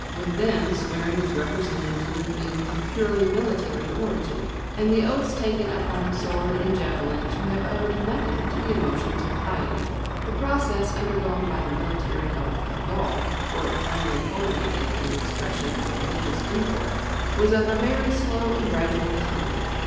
With them swearing is represented to have been of purely military origin, and the oaths taken upon sword and javelin to have owed nothing to the emotions of piety. The process undergone by the military oath of Gaul before it finally culminated in an expression of religious import, was of a very slow and gradual kind.